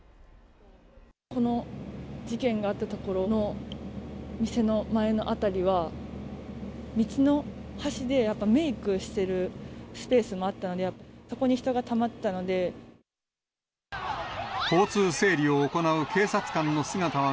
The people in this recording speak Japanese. この事件があった所の店の前の辺りは、道の端でやっぱ、メークしているスペースもあったので、そこに人がたまってたので。